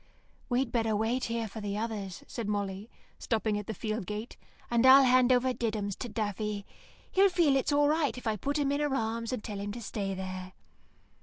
"We'd better wait here for the others," said Molly, stopping at the field gate, "and I'll hand over Diddums to Daffy. He'll feel it's all right if I put him in her arms and tell him to stay there."